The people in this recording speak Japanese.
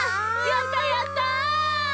やったやった！